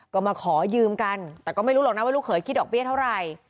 ก็มาขอยืมกันแต่ก็ไม่รู้หรอกนะว่าลูกเขยคิดดอกเบี้ยเท่าไหร่